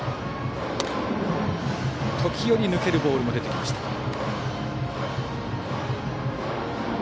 時折抜けるボールも出てきました。